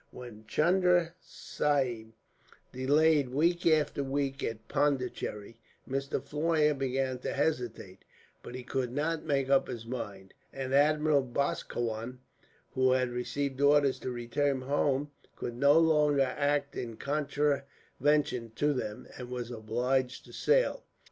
"When Chunda Sahib delayed week after week at Pondicherry, Mr. Floyer began to hesitate, but he could not make up his mind, and Admiral Boscawen, who had received orders to return home, could no longer act in contravention to them, and was obliged to sail.